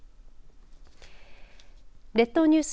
列島ニュース